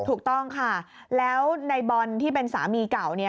ถูกต้องค่ะแล้วในบอลที่เป็นสามีเก่า